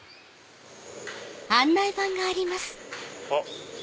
あっ！